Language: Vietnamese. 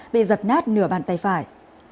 bị giật nát nửa bàn tay phải